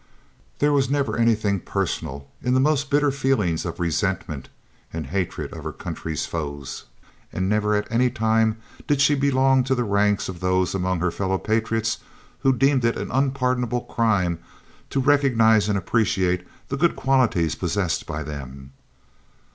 There was never anything personal in the most bitter feelings of resentment and hatred of her country's foes, and never at any time did she belong to the ranks of those among her fellow patriots who deemed it an unpardonable crime to recognise and appreciate the good qualities possessed by them.